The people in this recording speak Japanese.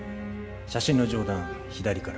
写真の上段左から。